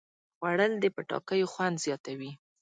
خوړل د پټاکیو خوند زیاتوي